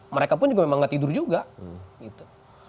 mereka pun juga memang nggak tidur juga gitu